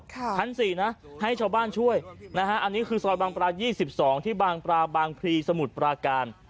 ชั้น๔นะให้ชาวบ้านช่วยนะฮะอันนี้คือซอยบางปลา๒๒ที่บางปลาบางพลีสมุทรปราการ